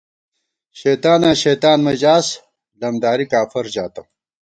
شیطاناں شیطان منہ ژاس ، لمداری کافر ژاتہ